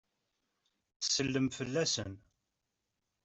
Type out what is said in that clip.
Tsellem fell-asen.